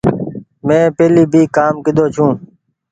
من پهلي ڀي ڪآم ڪيۮو ڇو۔